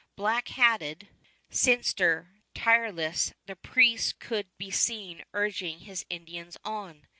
Black hatted, sinister, tireless, the priest could be seen urging his Indians on.